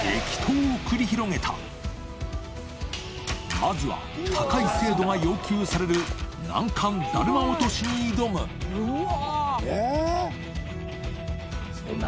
泙困高い精度が要求される餞だるま落としに挑む大島）